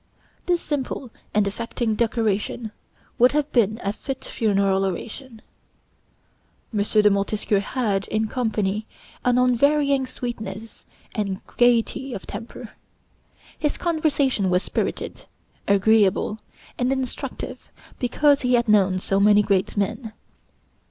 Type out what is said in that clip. This simple and affecting decoration would have been a fit funeral oration. M. de Montesquieu had, in company, an unvarying sweetness and gayety of temper. His conversation was spirited, agreeable, and instructive, because he had known so many great men.